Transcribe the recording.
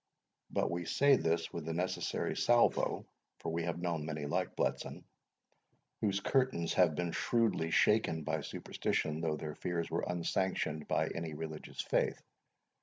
But we say this with the necessary salvo; for we have known many like Bletson, whose curtains have been shrewdly shaken by superstition, though their fears were unsanctioned by any religious faith.